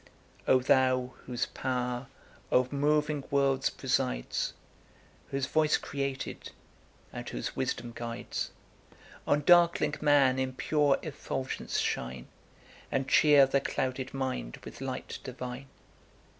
'O thou whose power o'er moving worlds presides, Whose voice created, and whose wisdom guides, On darkling man in pure effulgence shine, And cheer the clouded mind with light divine.